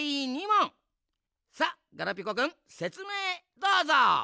さっガラピコくんせつめいどうぞ。